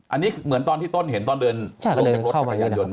อันนี้เหมือนตอนที่ต้นเห็นตอนเดินลงจากรถจักรยานยน